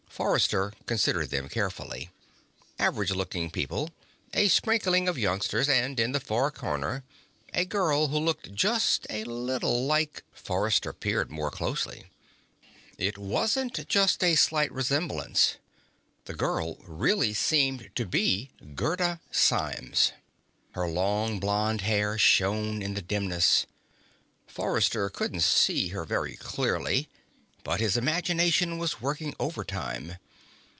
Forrester considered them carefully: average looking people, a sprinkling of youngsters, and in the far corner a girl who looked just a little like ... Forrester peered more closely. It wasn't just a slight resemblance; the girl really seemed to be Gerda Symes. Her long blonde hair shone in the dimness. Forrester couldn't see her very clearly, but his imagination was working overtime.